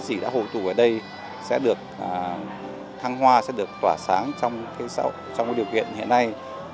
các giai đoạn đã hồi tù ở đây sẽ được thăng hoa sẽ được tỏa sáng trong điều kiện hiện nay